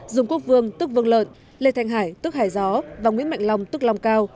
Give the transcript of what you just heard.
dùng quốc vương tức vương lợn lê thành hải tức hải gió và nguyễn mạnh long tức long cao